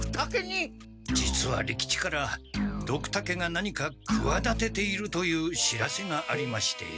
実は利吉からドクタケが何かくわだてているという知らせがありまして。